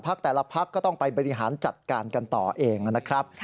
แต่ละพักก็ต้องไปบริหารจัดการกันต่อเองนะครับ